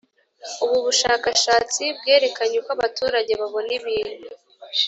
ubu bushakashatsi bwerekanye uko abaturage babona ibintu